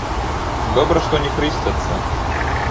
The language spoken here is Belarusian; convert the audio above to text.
Добра, што не хрысцяцца!